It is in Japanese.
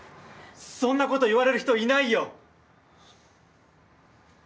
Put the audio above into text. そんなこと言われる人いないよ！